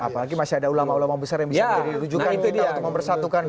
apalagi masih ada ulama ulama besar yang bisa menjadi rujukan kita untuk mempersatukan